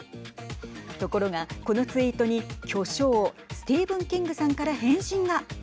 ところがこのツイートに巨匠スティーブン・キングさんから返信が。